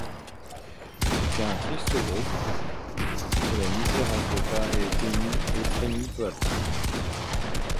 C’était un triste groupe que la misère enveloppa et étreignit peu à peu.